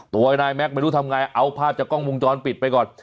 ตัวนายแม็กซไม่รู้ทำไงเอาภาพจากกล้องวงจรปิดไปก่อน